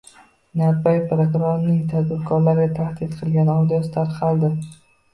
Narpay prokurorining tadbirkorlarga tahdid qilgan audiosi tarqaldi